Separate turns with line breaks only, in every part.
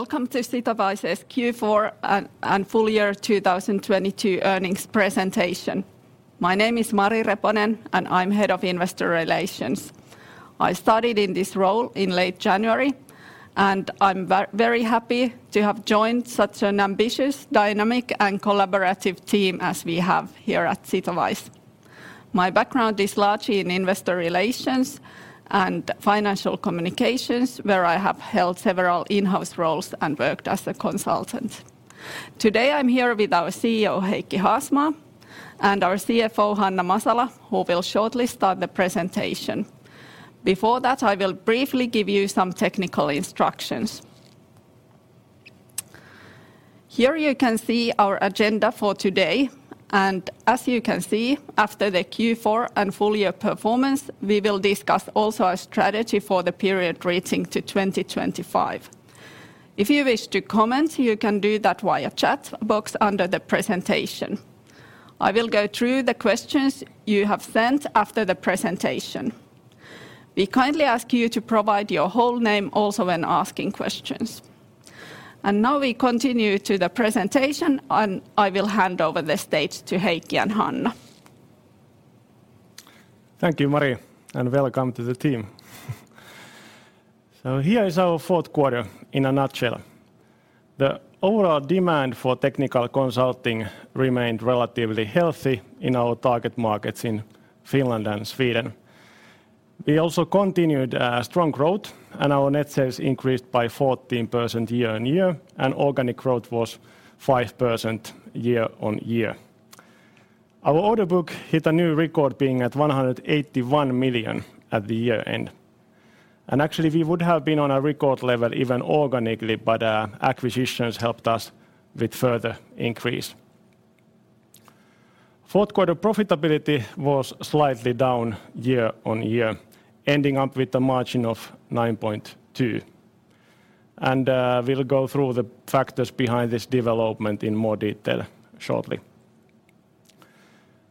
Welcome to Sitowise's Q4 and full year 2022 earnings presentation. My name is Mari Reponen, and I'm Head of Investor Relations. I started in this role in late January, and I'm very happy to have joined such an ambitious, dynamic, and collaborative team as we have here at Sitowise. My background is largely in investor relations and financial communications, where I have held several in-house roles and worked as a consultant. Today, I'm here with our CEO, Heikki Haasmaa, and our CFO, Hanna Masala, who will shortly start the presentation. Before that, I will briefly give you some technical instructions. Here you can see our agenda for today, and as you can see, after the Q4 and full year performance, we will discuss also our strategy for the period reaching to 2025. If you wish to comment, you can do that via chat box under the presentation. I will go through the questions you have sent after the presentation. We kindly ask you to provide your whole name also when asking questions. Now we continue to the presentation, and I will hand over the stage to Heikki and Hanna.
Thank you, Mari, welcome to the team. Here is our fourth quarter in a nutshell. The overall demand for technical consulting remained relatively healthy in our target markets in Finland and Sweden. We also continued strong growth, and our net sales increased by 14% year-on-year, and organic growth was 5% year-on-year. Our order book hit a new record being at 181 million at the year-end. Actually, we would have been on a record level even organically, but acquisitions helped us with further increase. Fourth quarter profitability was slightly down year-on-year, ending up with a margin of 9.2%. We'll go through the factors behind this development in more detail shortly.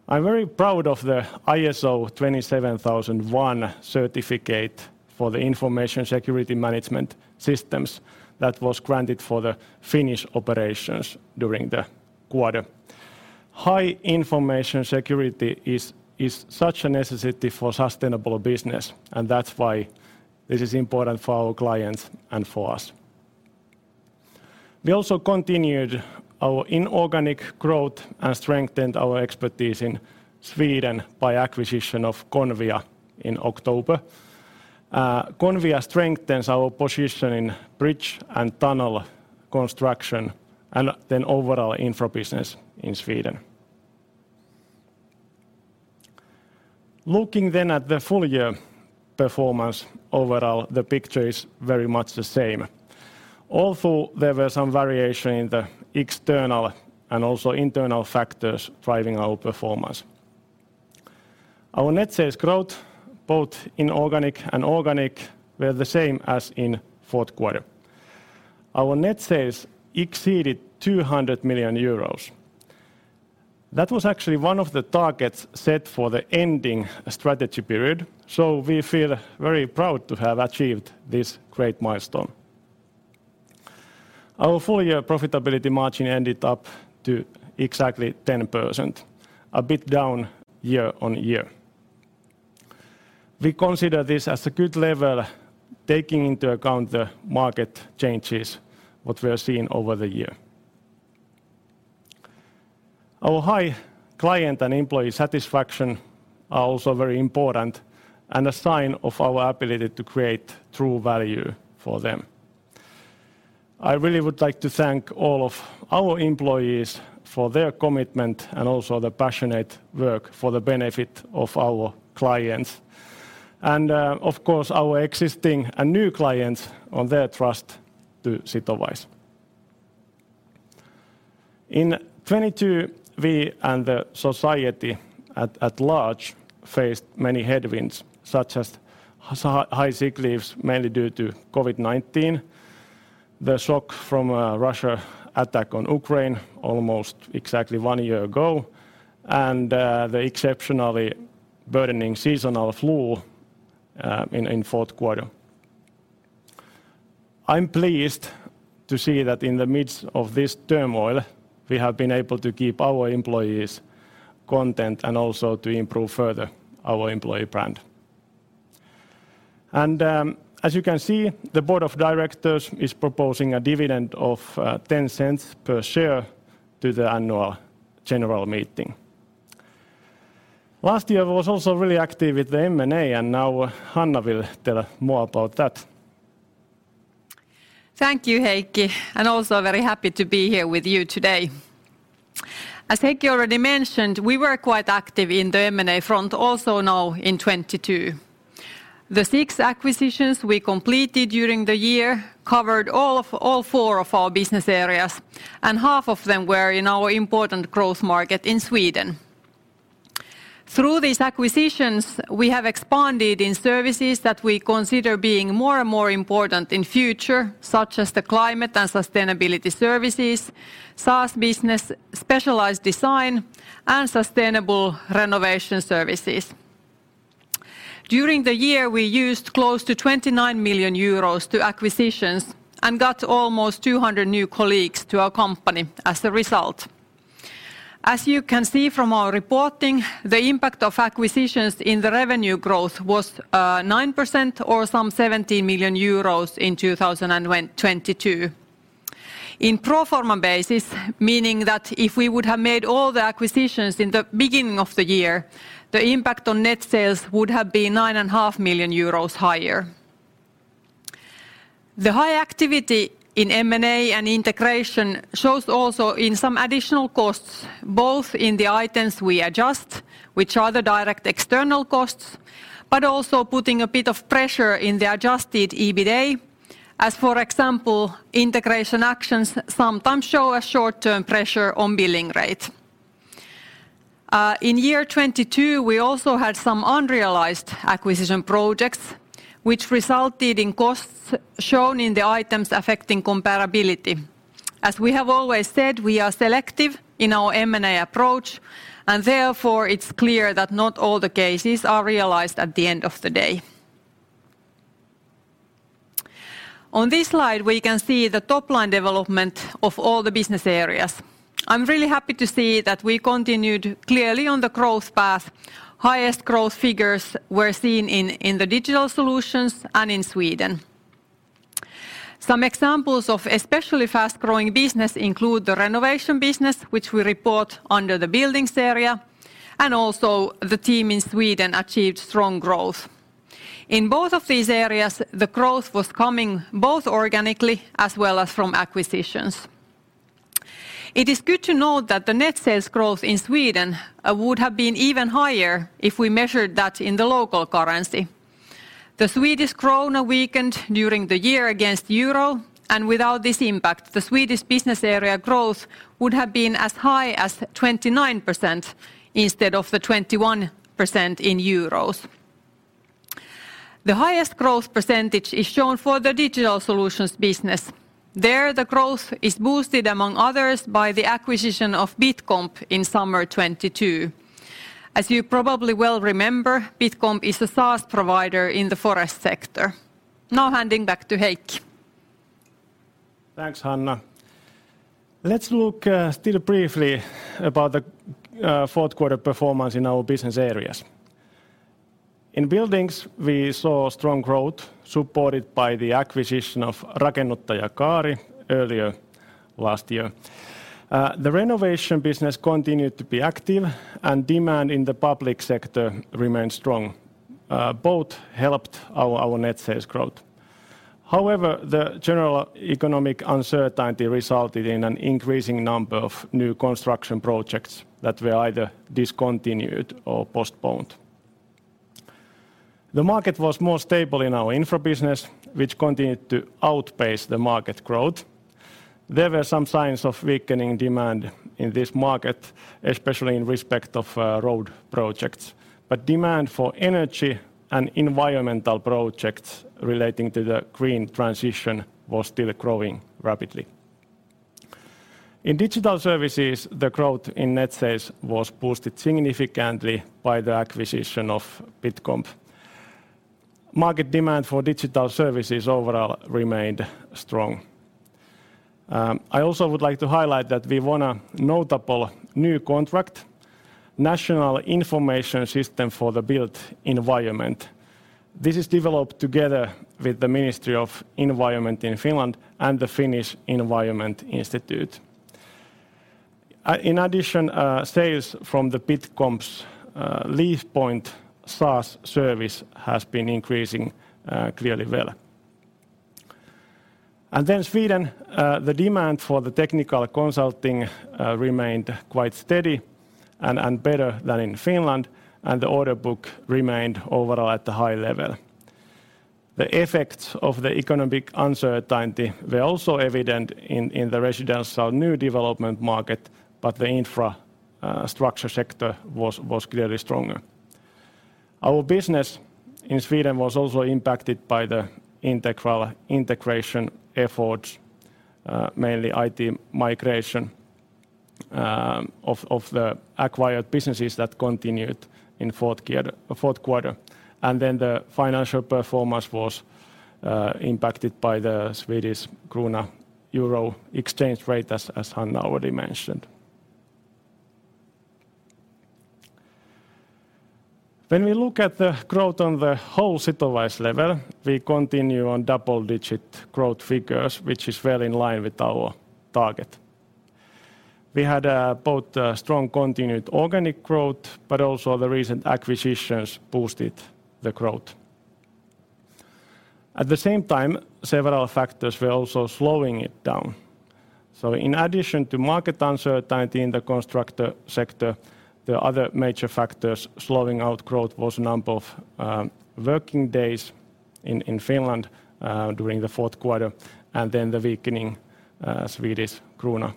I'm very proud of the ISO 27001 certificate for the information security management systems that was granted for the Finnish Operations during the quarter. High information security is such a necessity for sustainable business, that's why this is important for our clients and for us. We also continued our inorganic growth and strengthened our expertise in Sweden by acquisition of Convia in October. Convia strengthens our position in bridge and tunnel construction overall infra business in Sweden. Looking at the full year performance, overall the picture is very much the same, although there were some variation in the external and also internal factors driving our performance. Our net sales growth, both inorganic and organic, were the same as in fourth quarter. Our net sales exceeded 200 million euros. That was actually one of the targets set for the ending strategy period. We feel very proud to have achieved this great milestone. Our full year profitability margin ended up to exactly 10%, a bit down year-over-year. We consider this as a good level, taking into account the market changes what we are seeing over the year. Our high client and employee satisfaction are also very important and a sign of our ability to create true value for them. I really would like to thank all of our employees for their commitment and also the passionate work for the benefit of our clients and, of course, our existing and new clients on their trust to Sitowise. In 2022, we and the society at large faced many headwinds, such as high sick leaves mainly due to COVID-19, the shock from Russia attack on Ukraine almost exactly 1 year ago, and the exceptionally burdening seasonal flu in fourth quarter. I'm pleased to see that in the midst of this turmoil we have been able to keep our employees content and also to improve further our employee brand. As you can see, the board of directors is proposing a dividend of 0.10 per share to the annual general meeting. Last year was also really active with the M&A, and now Hanna will tell more about that.
Thank you, Heikki, and also very happy to be here with you today. As Heikki already mentioned, we were quite active in the M&A front also now in 2022. The six acquisitions we completed during the year covered all four of our business areas, and half of them were in our important growth market in Sweden. Through these acquisitions, we have expanded in services that we consider being more and more important in future, such as the climate and sustainability services, SaaS business, specialized design, and sustainable renovation services. During the year, we used close to 29 million euros to acquisitions and got almost 200 new colleagues to our company as a result. As you can see from our reporting, the impact of acquisitions in the revenue growth was 9% or some 70 million euros in 2022. In pro forma basis, meaning that if we would have made all the acquisitions in the beginning of the year, the impact on net sales would have been nine and half million euros higher. The high activity in M&A and integration shows also in some additional costs, both in the items we adjust, which are the direct external costs, also putting a bit of pressure in the adjusted EBITA, as for example, integration actions sometimes show a short-term pressure on billing rate. In year 2022, we also had some unrealized acquisition projects which resulted in costs shown in the items affecting comparability. As we have always said, we are selective in our M&A approach, and therefore it's clear that not all the cases are realized at the end of the day. On this slide, we can see the top-line development of all the business areas. I'm really happy to see that we continued clearly on the growth path. Highest growth figures were seen in the digital solutions and in Sweden. Some examples of especially fast-growing business include the renovation business, which we report under the buildings area, and also the team in Sweden achieved strong growth. In both of these areas, the growth was coming both organically as well as from acquisitions. It is good to note that the net sales growth in Sweden would have been even higher if we measured that in the local currency. The Swedish krona weakened during the year against euro. Without this impact, the Swedish business area growth would have been as high as 29% instead of the 21% in euros. The highest growth percentage is shown for the digital solutions business. There, the growth is boosted among others by the acquisition of Bitcomp in summer 2022. As you probably well remember, Bitcomp is a SaaS provider in the forest sector. Handing back to Heikki.
Thanks, Hanna. Let's look still briefly about the fourth quarter performance in our business areas. In buildings, we saw strong growth supported by the acquisition of Rakennuttajakaari earlier last year. The renovation business continued to be active, and demand in the public sector remained strong. Both helped our net sales growth. However, the general economic uncertainty resulted in an increasing number of new construction projects that were either discontinued or postponed. The market was more stable in our infra business, which continued to outpace the market growth. There were some signs of weakening demand in this market, especially in respect of road projects. Demand for energy and environmental projects relating to the green transition was still growing rapidly. In digital services, the growth in net sales was boosted significantly by the acquisition of Bitcomp. Market demand for digital services overall remained strong. I also would like to highlight that we won a notable new contract, National Information System for the Built Environment. This is developed together with the Ministry of the Environment in Finland and the Finnish Environment Institute. In addition, sales from the Bitcomp's LeafPoint SaaS service has been increasing clearly well. Sweden, the demand for the technical consulting remained quite steady and better than in Finland, and the order book remained overall at a high level. The effects of the economic uncertainty were also evident in the residential new development market, but the infrastructure sector was clearly stronger. Our business in Sweden was also impacted by the Integria integration efforts, mainly IT migration of the acquired businesses that continued in fourth quarter. The financial performance was impacted by the Swedish krona-euro exchange rate, as Hanna already mentioned. When we look at the growth on the whole Sitowise level, we continue on double-digit growth figures, which is well in line with our target. We had both strong continued organic growth, but also the recent acquisitions boosted the growth. At the same time, several factors were also slowing it down. In addition to market uncertainty in the constructor sector, the other major factors slowing out growth was the number of working days in Finland during the fourth quarter, and then the weakening Swedish krona.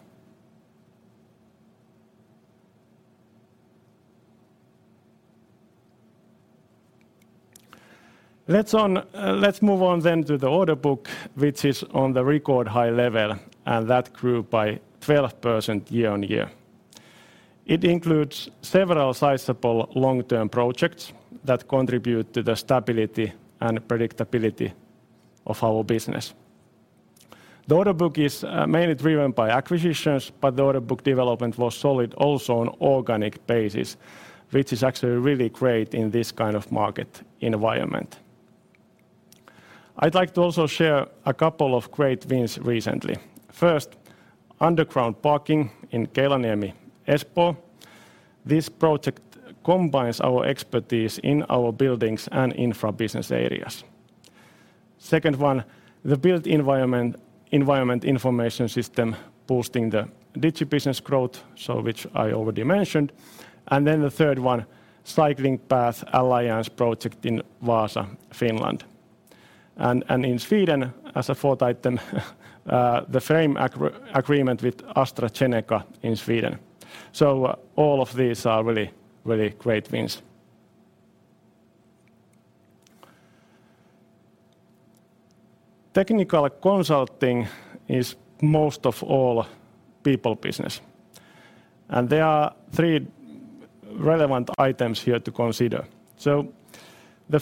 Let's move on then to the order book, which is on the record high level, and that grew by 12% year-on-year. It includes several sizable long-term projects that contribute to the stability and predictability of our business. The order book is mainly driven by acquisitions, but the order book development was solid also on organic basis, which is actually really great in this kind of market environment. I'd like to also share a couple of great wins recently. First, underground parking in Keilaniemi, Espoo. This project combines our expertise in our buildings and infra business areas. Second one, the build environment information system boosting the digi business growth, so which I already mentioned. The third one, cycling path alliance project in Vaasa, Finland. In Sweden, as a fourth item, the frame agreement with AstraZeneca in Sweden. All of these are really, really great wins. Technical consulting is most of all people business. There are three relevant items here to consider. The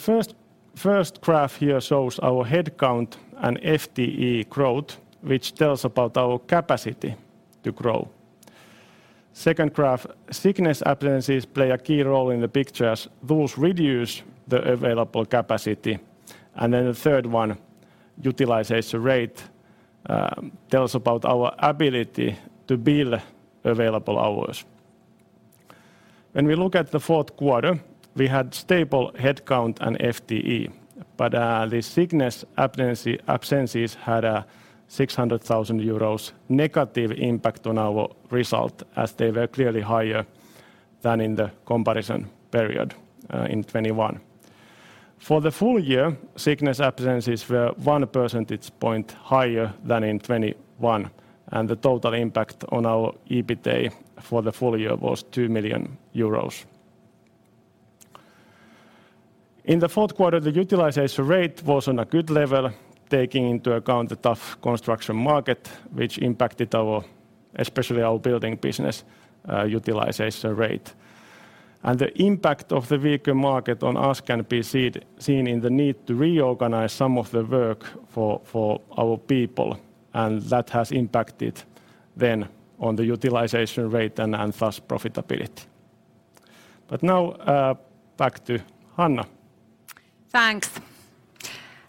first graph here shows our headcount and FTE growth, which tells about our capacity to grow. Second graph, sickness absences play a key role in the pictures. Those reduce the available capacity. The third one, utilization rate, tells about our ability to bill available hours. When we look at the fourth quarter, we had stable headcount and FTE. The sickness absences had a 600,000 euros negative impact on our result as they were clearly higher than in the comparison period in 2021. For the full year, sickness absences were 1 percentage point higher than in 2021, and the total impact on our EBITA for the full year was 2 million euros. In the fourth quarter, the utilization rate was on a good level, taking into account the tough construction market, which impacted our, especially our building business, utilization rate. The impact of the weaker market on us can be seen in the need to reorganize some of the work for our people, and that has impacted then on the utilization rate and thus profitability. Now, back to Hanna.
Thanks.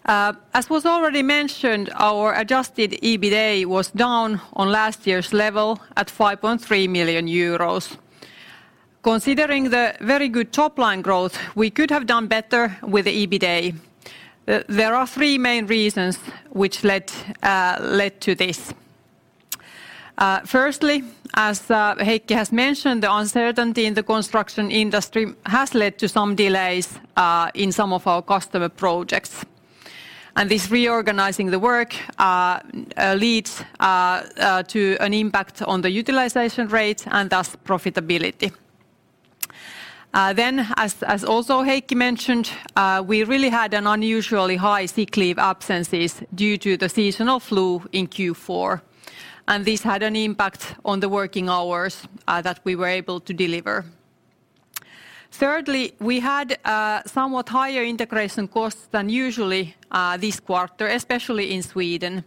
As was already mentioned, our adjusted EBITA was down on last year's level at 5.3 million euros. Considering the very good top line growth, we could have done better with the EBITA. There are three main reasons which led to this. Firstly, as Heikki has mentioned, the uncertainty in the construction industry has led to some delays in some of our customer projects. This reorganizing the work leads to an impact on the utilization rate and thus profitability. As also Heikki mentioned, we really had an unusually high sick leave absences due to the seasonal flu in Q4, this had an impact on the working hours that we were able to deliver. Thirdly, we had somewhat higher integration costs than usually this quarter, especially in Sweden.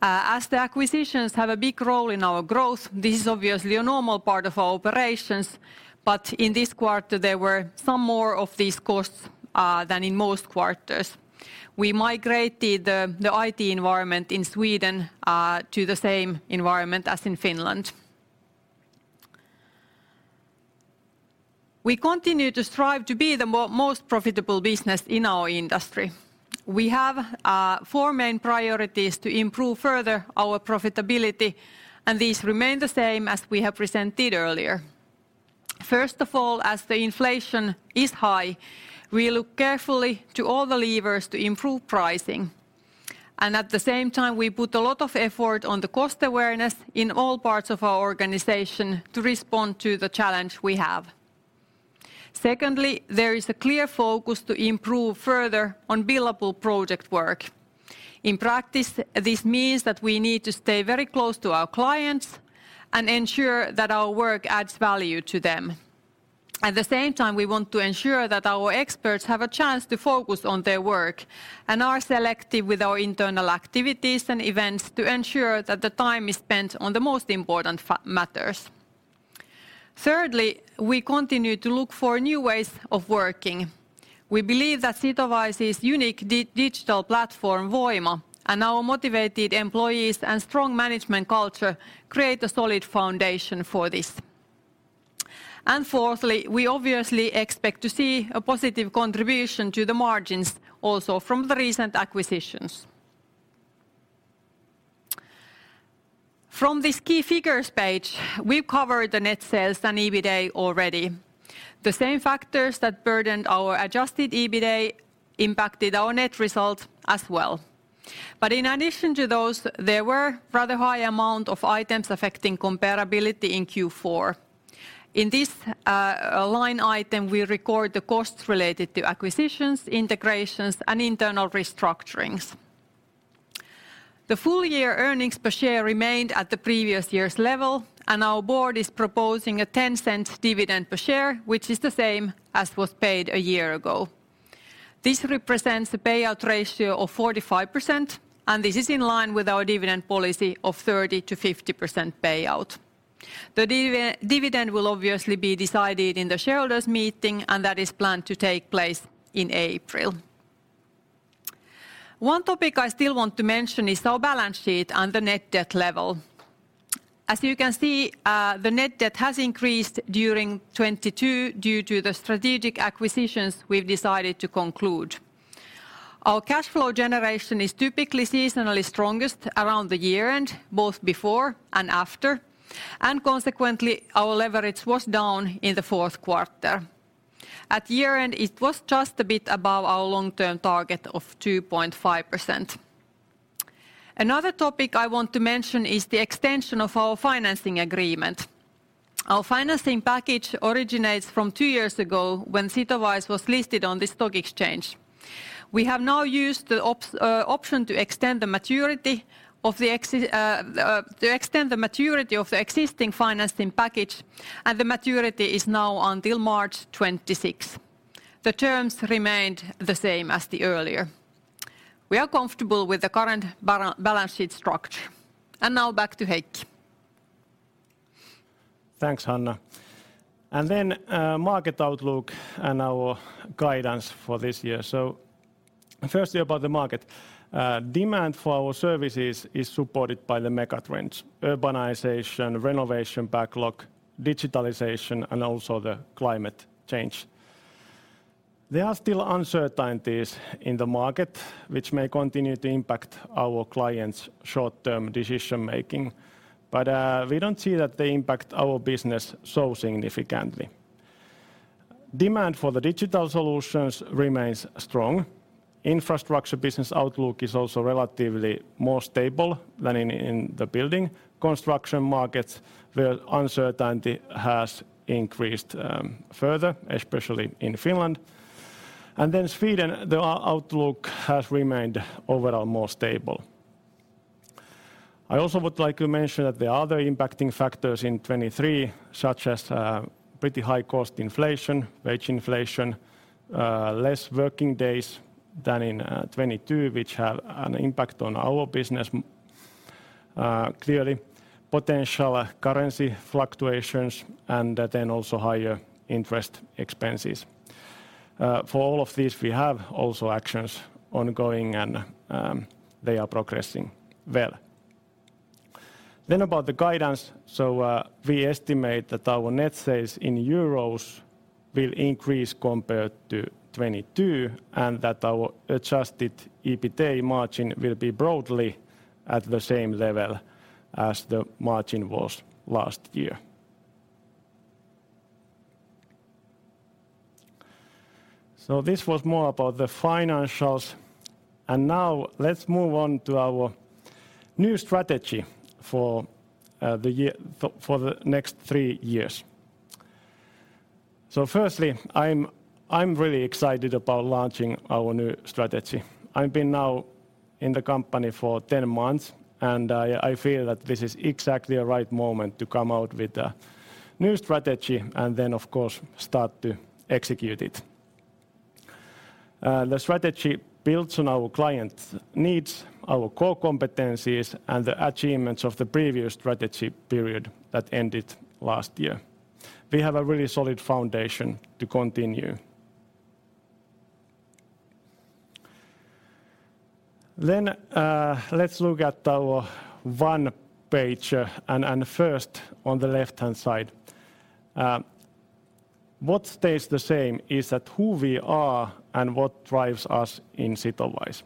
As the acquisitions have a big role in our growth, this is obviously a normal part of our operations. In this quarter, there were some more of these costs than in most quarters. We migrated the IT environment in Sweden to the same environment as in Finland. We continue to strive to be the most profitable business in our industry. We have four main priorities to improve further our profitability. These remain the same as we have presented earlier. First of all, as the inflation is high, we look carefully to all the levers to improve pricing. At the same time, we put a lot of effort on the cost awareness in all parts of our organization to respond to the challenge we have. Secondly, there is a clear focus to improve further on billable project work. In practice, this means that we need to stay very close to our clients and ensure that our work adds value to them. At the same time, we want to ensure that our experts have a chance to focus on their work and are selective with our internal activities and events to ensure that the time is spent on the most important matters. Thirdly, we continue to look for new ways of working. We believe that Sitowise's unique digital platform, Voima, and our motivated employees and strong management culture create a solid foundation for this. Fourthly, we obviously expect to see a positive contribution to the margins also from the recent acquisitions. From this key figures page, we've covered the net sales and EBITA already. The same factors that burdened our adjusted EBITA impacted our net results as well. In addition to those, there were rather high amount of items affecting comparability in Q4. In this line item, we record the costs related to acquisitions, integrations, and internal restructurings. The full year earnings per share remained at the previous year's level, and our board is proposing a 0.10 dividend per share, which is the same as was paid a year ago. This represents the payout ratio of 45%, and this is in line with our dividend policy of 30%-50% payout. The dividend will obviously be decided in the shareholders' meeting, and that is planned to take place in April. One topic I still want to mention is our balance sheet and the net debt level. The net debt has increased during 2022 due to the strategic acquisitions we've decided to conclude. Our cash flow generation is typically seasonally strongest around the year-end, both before and after. Consequently, our leverage was down in the fourth quarter. At year-end, it was just a bit above our long-term target of 2.5%. Another topic I want to mention is the extension of our financing agreement. Our financing package originates from two years ago when Sitowise was listed on the stock exchange. We have now used the option to extend the maturity of the existing financing package. The maturity is now until March 2026. The terms remained the same as the earlier. We are comfortable with the current balance sheet structure. Now back to Heikki.
Thanks, Hanna. Market outlook and our guidance for this year. Firstly, about the market. Demand for our services is supported by the mega trends: urbanization, renovation backlog, digitalization, and also the climate change. There are still uncertainties in the market which may continue to impact our clients' short-term decision-making, but we don't see that they impact our business so significantly. Demand for the digital solutions remains strong. Infrastructure business outlook is also relatively more stable than in the building construction markets, where uncertainty has increased further, especially in Finland. In Sweden, the outlook has remained overall more stable. I also would like to mention that the other impacting factors in 2023, such as pretty high cost inflation, wage inflation, less working days than in 2022, which have an impact on our business, clearly potential currency fluctuations and then also higher interest expenses. For all of this, we have also actions ongoing and they are progressing well. About the guidance. We estimate that our net sales in euros will increase compared to 2022, and that our adjusted EBITA margin will be broadly at the same level as the margin was last year. This was more about the financials, and now let's move on to our new strategy for the next three years. Firstly, I'm really excited about launching our new strategy. I've been now in the company for 10 months, and I feel that this is exactly the right moment to come out with a new strategy and then, of course, start to execute it. The strategy builds on our clients' needs, our core competencies, and the achievements of the previous strategy period that ended last year. Let's look at our one-page, and first, on the left-hand side. What stays the same is that who we are and what drives us in Sitowise.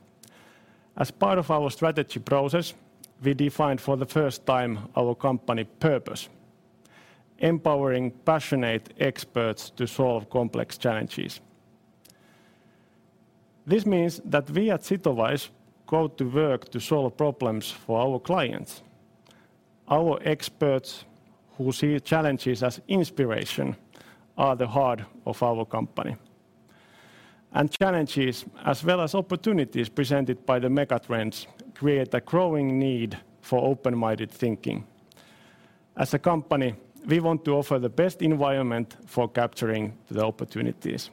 As part of our strategy process, we defined for the first time our company purpose: empowering passionate experts to solve complex challenges. This means that we at Sitowise go to work to solve problems for our clients. Our experts who see challenges as inspiration are the heart of our company. Challenges as well as opportunities presented by the mega trends create a growing need for open-minded thinking. As a company, we want to offer the best environment for capturing the opportunities.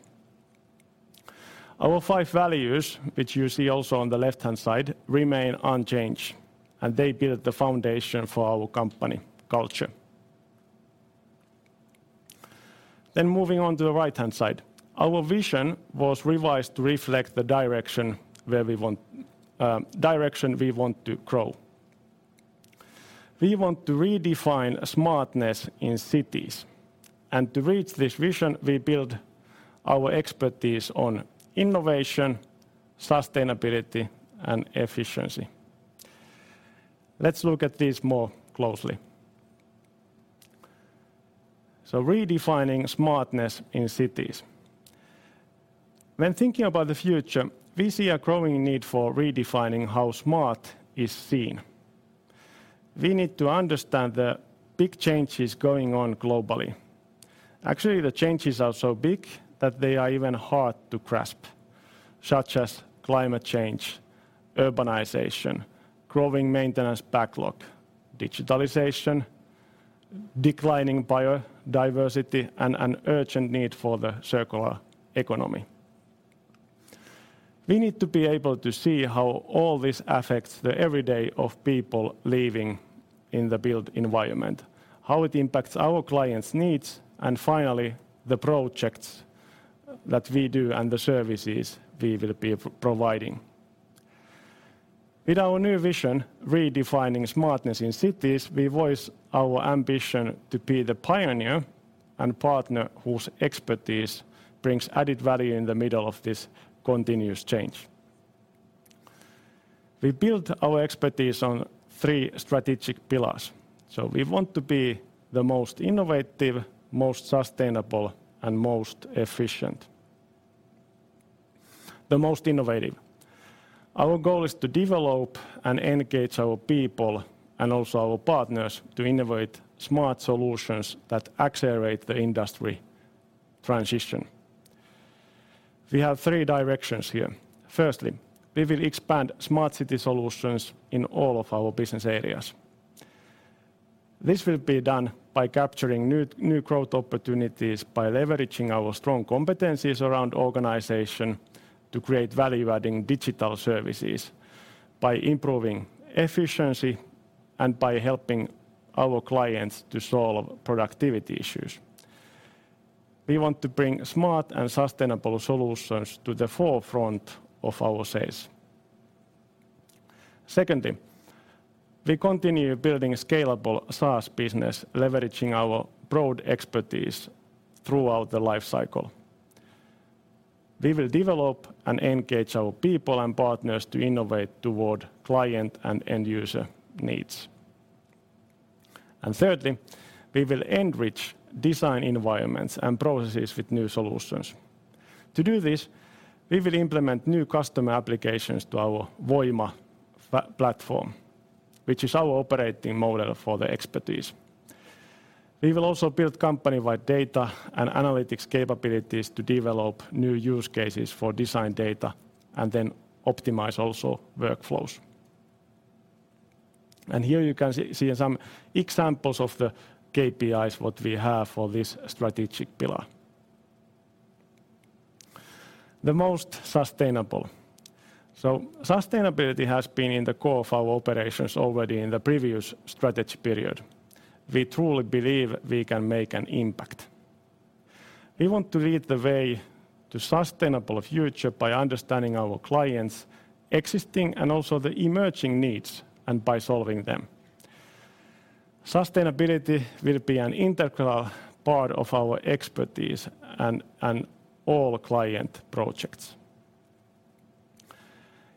Our five values, which you see also on the left-hand side, remain unchanged, and they build the foundation for our company culture. Moving on to the right-hand side. Our vision was revised to reflect the direction we want to grow. We want to redefine smartness in cities. To reach this vision, we build our expertise on innovation, sustainability, and efficiency. Let's look at these more closely. Redefining Smartness in Cities. When thinking about the future, we see a growing need for redefining how smart is seen. We need to understand the big changes going on globally. Actually, the changes are so big that they are even hard to grasp, such as climate change, urbanization, growing maintenance backlog, digitalization, declining biodiversity, and an urgent need for the circular economy. We need to be able to see how all this affects the everyday of people living in the built environment, how it impacts our clients' needs, and finally, the projects that we do and the services we will be providing. With our new vision, Redefining Smartness in Cities, we voice our ambition to be the pioneer and partner whose expertise brings added value in the middle of this continuous change. We build our expertise on three strategic pillars. We want to be the most innovative, most sustainable, and most efficient. The most innovative. Our goal is to develop and engage our people and also our partners to innovate smart solutions that accelerate the industry transition. We have three directions here. Firstly, we will expand smart city solutions in all of our business areas. This will be done by capturing new growth opportunities by leveraging our strong competencies around organization to create value-adding digital services by improving efficiency and by helping our clients to solve productivity issues. We want to bring smart and sustainable solutions to the forefront of our sales. Secondly, we continue building a scalable SaaS business, leveraging our broad expertise throughout the life cycle. We will develop and engage our people and partners to innovate toward client and end user needs. Thirdly, we will enrich design environments and processes with new solutions. To do this, we will implement new customer applications to our Voima platform, which is our operating model for the expertise. We will also build company-wide data and analytics capabilities to develop new use cases for design data, and then optimize also workflows. Here you can see some examples of the KPIs, what we have for this strategic pillar. The most sustainable. Sustainability has been in the core of our operations already in the previous strategy period. We truly believe we can make an impact. We want to lead the way to sustainable future by understanding our clients' existing and also the emerging needs, by solving them. Sustainability will be an integral part of our expertise and all client projects.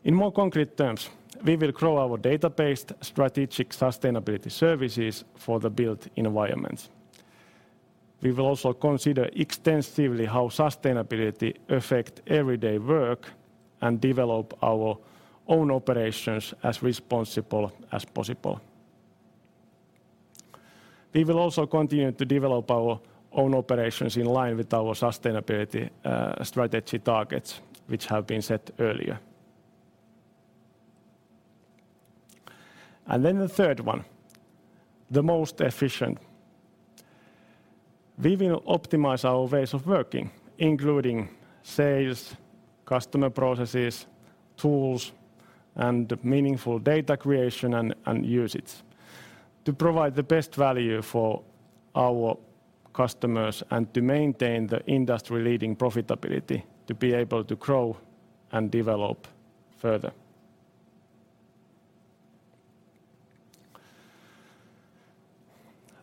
In more concrete terms, we will grow our data-based strategic sustainability services for the built environment. We will also consider extensively how sustainability affect everyday work and develop our own operations as responsible as possible. We will also continue to develop our own operations in line with our sustainability strategy targets, which have been set earlier. The third one, the most efficient. We will optimize our ways of working, including sales, customer processes, tools, and meaningful data creation and usage to provide the best value for our customers and to maintain the industry-leading profitability to be able to grow and develop further.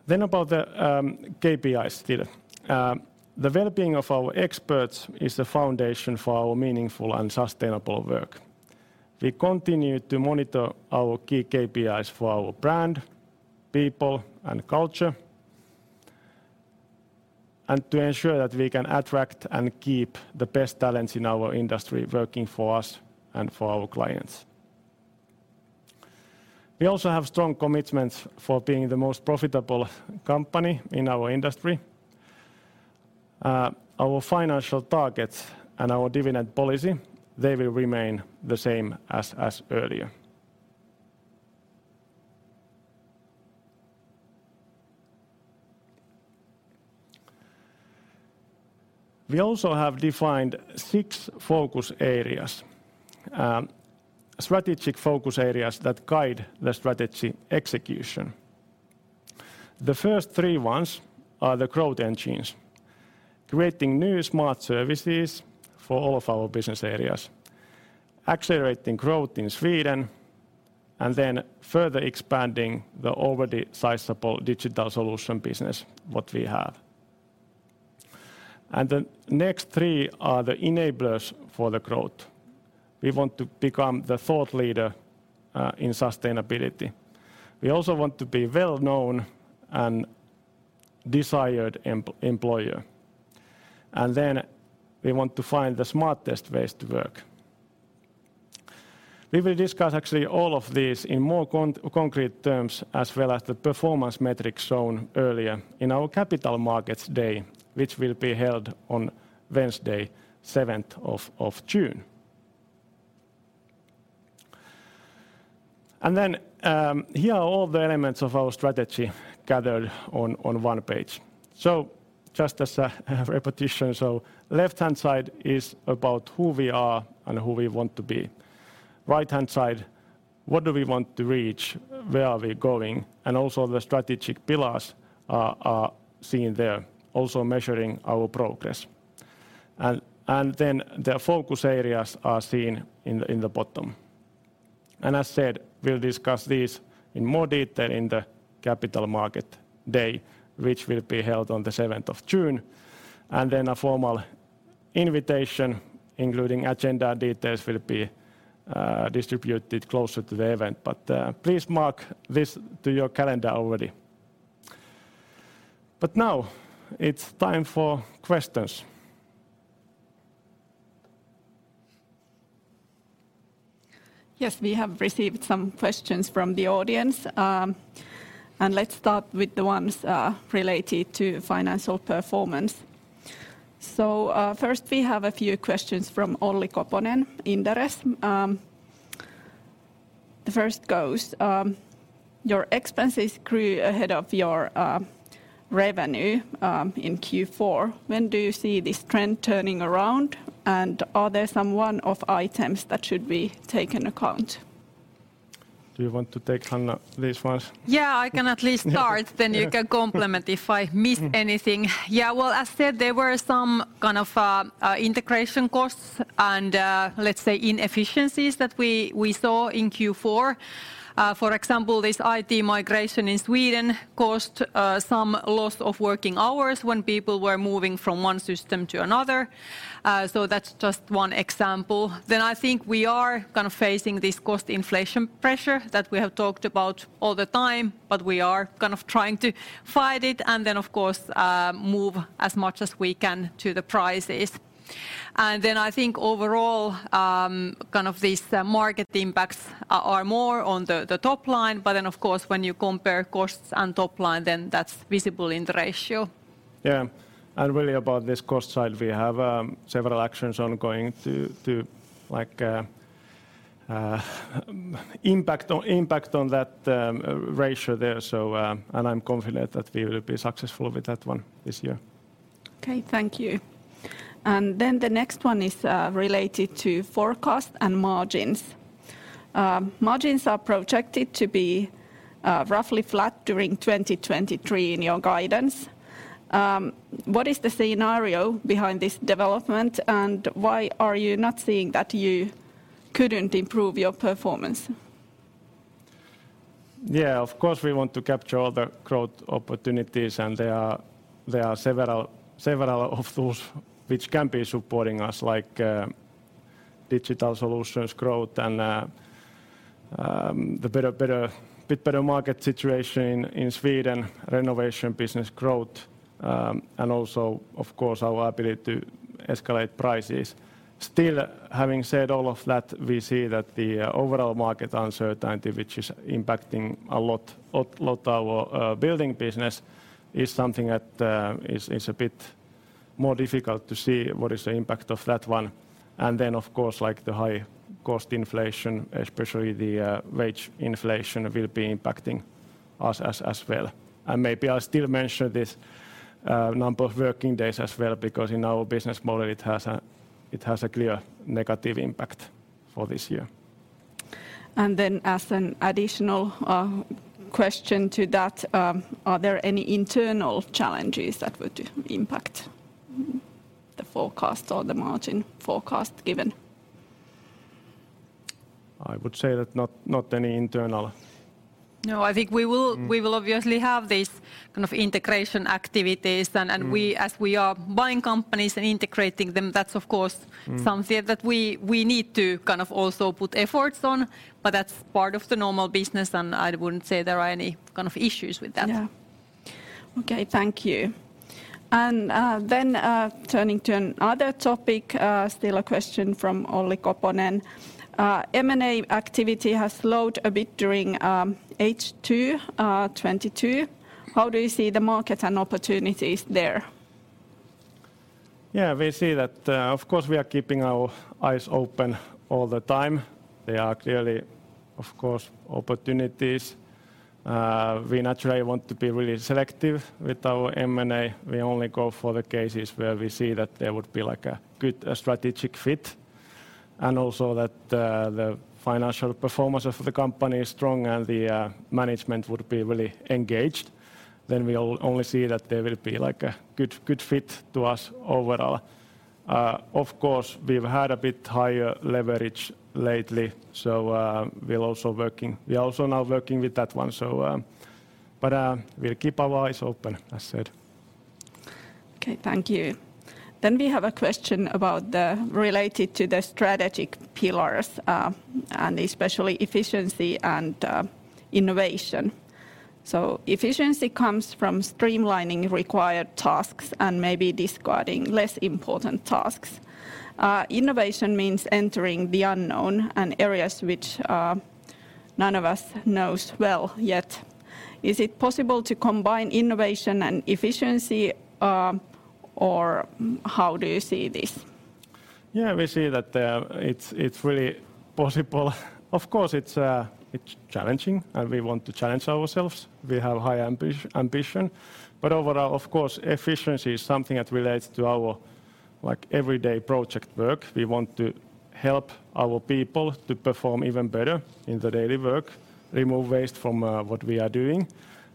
About the KPIs. The well-being of our experts is the foundation for our meaningful and sustainable work. We continue to monitor our key KPIs for our brand, people, and culture, and to ensure that we can attract and keep the best talents in our industry working for us and for our clients. We also have strong commitments for being the most profitable company in our industry. Our financial targets and our dividend policy, they will remain the same as earlier. We also have defined six focus areas, strategic focus areas that guide the strategy execution. The first three ones are the growth engines, creating new smart services for all of our business areas, accelerating growth in Sweden, and then further expanding the already sizable digital solution business what we have. The next three are the enablers for the growth. We want to become the thought leader in sustainability. We also want to be well-known and desired employer. Then we want to find the smartest ways to work. We will discuss actually all of these in more concrete terms as well as the performance metrics shown earlier in our capital markets day, which will be held on Wednesday, 7th of June. Here are all the elements of our strategy gathered on one page. Just as a repetition, left-hand side is about who we are and who we want to be. Right-hand side, what do we want to reach? Where are we going? The strategic pillars are seen there also measuring our progress. The focus areas are seen in the bottom. As said, we'll discuss these in more detail in the capital market day, which will be held on the 7th of June, then a formal invitation including agenda details will be distributed closer to the event. Please mark this to your calendar already. Now it's time for questions.
Yes, we have received some questions from the audience. Let's start with the ones related to financial performance. First we have a few questions from Olli Koponen, Inderes. The first goes, your expenses grew ahead of your revenue in Q4. When do you see this trend turning around? Are there some one-off items that should be taken account?
Do you want to take, Hanna, these ones?
I can at least start. Then you can complement if I miss anything. Well, as said, there were some kind of integration costs and let's say inefficiencies that we saw in Q4. For example, this IT migration in Sweden caused some loss of working hours when people were moving from one system to another. So that's just one example. I think we are kind of facing this cost inflation pressure that we have talked about all the time, but we are kind of trying to fight it and of course move as much as we can to the prices. I think overall, kind of these market impacts are more on the top line, but of course when you compare costs and top line then that's visible in the ratio.
Yeah. Really about this cost side, we have several actions ongoing to like impact on that ratio there. I'm confident that we will be successful with that one this year.
Okay, thank you. The next one is related to forecast and margins. Margins are projected to be roughly flat during 2023 in your guidance. What is the scenario behind this development, and why are you not seeing that you couldn't improve your performance?
Yeah, of course, we want to capture all the growth opportunities, there are several of those which can be supporting us like digital solutions growth and the bit better market situation in Sweden, renovation business growth, and also of course our ability to escalate prices. Still, having said all of that, we see that the overall market uncertainty, which is impacting a lot our building business, is something that is a bit more difficult to see what is the impact of that one. Then of course like the high cost inflation, especially the wage inflation will be impacting us as well. Maybe I'll still mention this number of working days as well because in our business model it has a clear negative impact for this year.
As an additional, question to that, are there any internal challenges that would impact the forecast or the margin forecast given?
I would say that not any internal.
No, I think we will...we will obviously have these kind of integration activities and we, as we are buying companies and integrating them. Something that we need to kind of also put efforts on, but that's part of the normal business and I wouldn't say there are any kind of issues with that.
Yeah. Okay, thank you. Then, turning to another topic, still a question from Olli Koponen. M&A activity has slowed a bit during, H2, 2022. How do you see the market and opportunities there?
Yeah. We see that, of course, we are keeping our eyes open all the time. There are clearly, of course, opportunities. We naturally want to be really selective with our M&A. We only go for the cases where we see that there would be like a good, strategic fit and also that the financial performance of the company is strong and the, management would be really engaged. We'll only see that there will be like a good fit to us overall. Of course, we've had a bit higher leverage lately. We are also now working with that one. We'll keep our eyes open, as said.
Thank you. We have a question related to the strategic pillars, and especially efficiency and innovation. Efficiency comes from streamlining required tasks and maybe discarding less important tasks. Innovation means entering the unknown and areas which none of us knows well yet. Is it possible to combine innovation and efficiency, or how do you see this?
Yeah, we see that it's really possible. Of course it's challenging, and we want to challenge ourselves. We have high ambition, but overall, of course, efficiency is something that relates to our, like, everyday project work. We want to help our people to perform even better in the daily work, remove waste from what we are doing,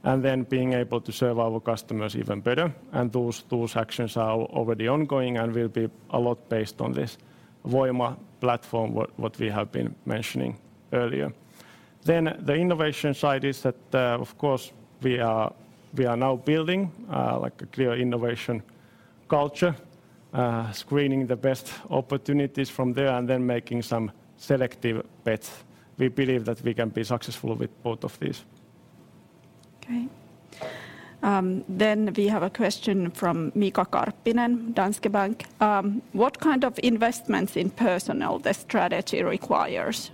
and then being able to serve our customers even better. Those actions are already ongoing and will be a lot based on this Voima platform what we have been mentioning earlier. The innovation side is that, of course, we are now building, like, a clear innovation culture, screening the best opportunities from there and then making some selective bets. We believe that we can be successful with both of these.
Okay. We have a question from Mika Karppinen, Danske Bank. What kind of investments in personnel the strategy requires?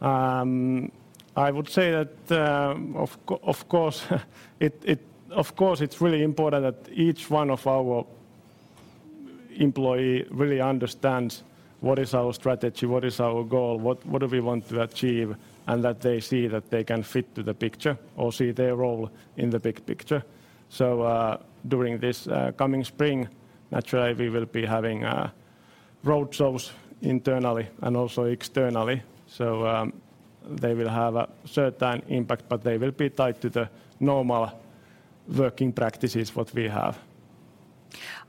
I would say that, of course, it's really important that each one of our employee really understands what is our strategy, what is our goal, what do we want to achieve, and that they see that they can fit to the picture or see their role in the big picture. During this coming spring, naturally, we will be having road shows internally and also externally. They will have a certain impact, but they will be tied to the normal working practices what we have.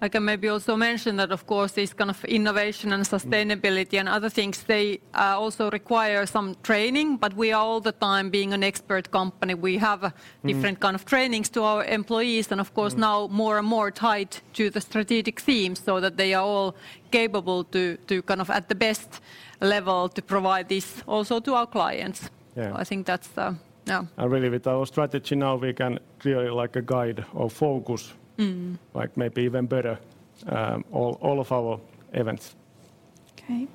I can maybe also mention that of course this kind of innovation and sustainability and other things, they, also require some training, but we are all the time being an expert company. We have different kind of trainings to our employees. And of course now more and more tied to the strategic themes so that they are all capable to kind of at the best level to provide this also to our clients.
Yeah.
I think that's, yeah.
Really with our strategy now, we can clearly, like, guide or focus like maybe even better, all of our events.
Okay.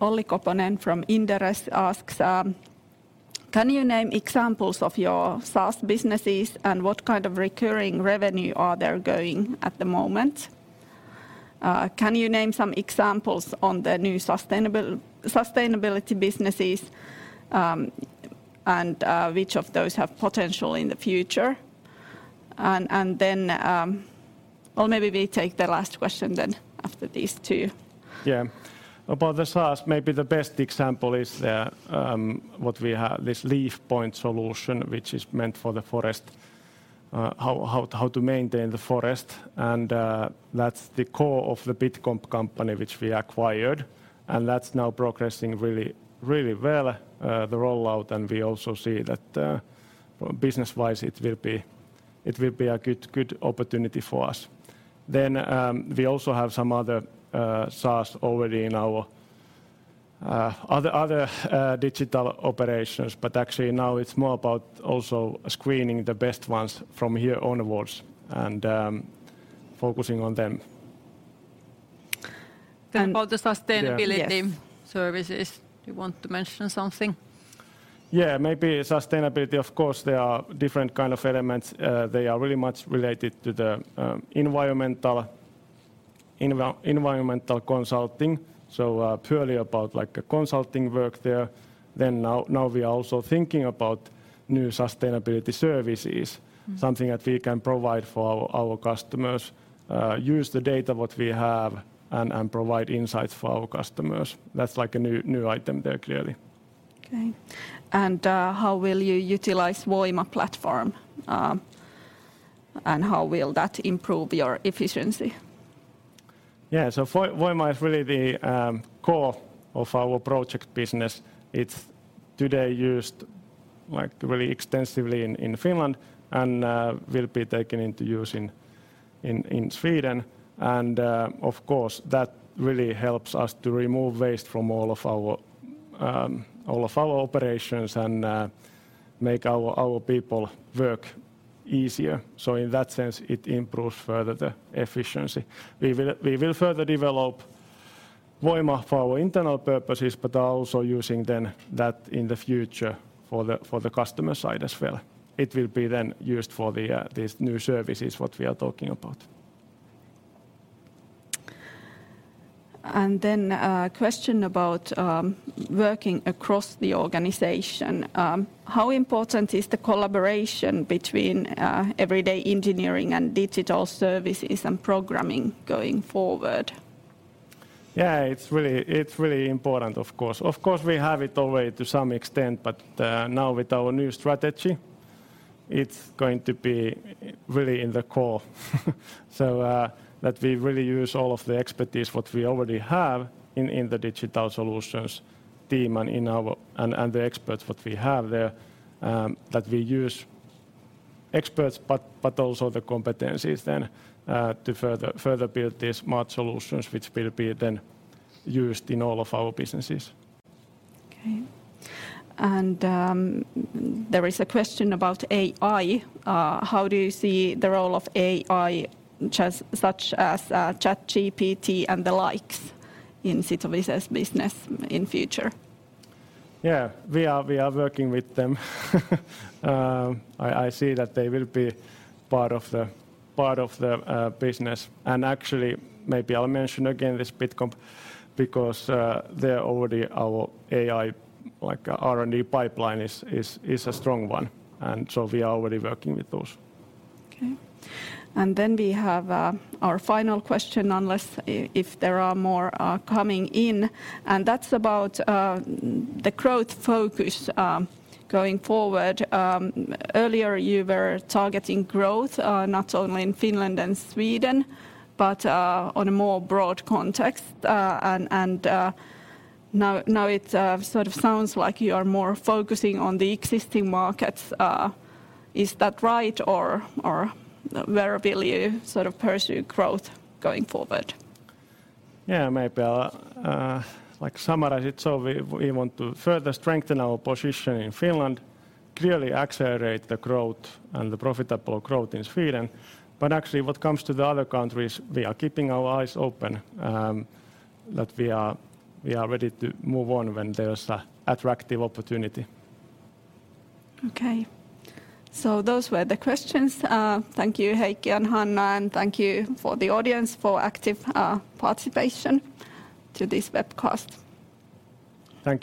Olli Koponen from Inderes asks, can you name examples of your SaaS businesses, and what kind of recurring revenue are they're going at the moment? Can you name some examples on the new sustainability businesses, and which of those have potential in the future? Well, maybe we take the last question then after these two.
About the SaaS, maybe the best example is what we have, this Leafpoint solution, which is meant for the forest, how to maintain the forest. That's the core of the Bitcomp company which we acquired, that's now progressing really well, the rollout, we also see that business-wise, it will be a good opportunity for us. We also have some other SaaS already in our other digital operations, actually now it's more about also screening the best ones from here onwards, focusing on them.
About the sustainability
Yeah.
Services, you want to mention something?
Yeah. Maybe sustainability, of course there are different kind of elements. They are really much related to the environmental consulting, purely about, like, a consulting work there. Now we are also thinking about new sustainability services something that we can provide for our customers, use the data what we have and provide insights for our customers. That's like a new item there clearly.
Okay. How will you utilize Voima platform, and how will that improve your efficiency?
Yeah, Voima is really the core of our project business. It's today used, like, really extensively in Finland, will be taken into use in Sweden. Of course, that really helps us to remove waste from all of our operations, make our people work easier. In that sense, it improves further the efficiency. We will further develop Voima for our internal purposes but are also using then that in the future for the customer side as well. It will be then used for these new services what we are talking about.
A question about working across the organization. How important is the collaboration between everyday engineering and digital services and programming going forward?
Yeah, it's really important, of course. Of course, we have it already to some extent, but now with our new strategy, it's going to be really in the core, so that we really use all of the expertise what we already have in the digital solutions team and in our and the experts what we have there, that we use Experts, but also the competencies then to further build these smart solutions which will be then used in all of our businesses.
Okay. There is a question about AI. How do you see the role of AI, such as ChatGPT and the likes in Sitowise's business in future?
Yeah. We are working with them. I see that they will be part of the business, and actually, maybe I'll mention again this Bitcomp because, they're already our AI, like, R&D pipeline is a strong one. We are already working with those.
Okay. Then we have our final question unless if there are more coming in, and that's about the growth focus going forward. Earlier you were targeting growth not only in Finland and Sweden, but on a more broad context. Now it sort of sounds like you are more focusing on the existing markets. Is that right, or where will you sort of pursue growth going forward?
Yeah. Maybe I'll, like summarize it. We want to further strengthen our position in Finland, clearly accelerate the growth and the profitable growth in Sweden, but actually, what comes to the other countries, we are keeping our eyes open, that we are ready to move on when there's a attractive opportunity.
Those were the questions. Thank you, Heikki and Hanna, and thank you for the audience for active participation to this webcast.
Thank you.